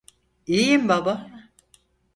İyiyim baba.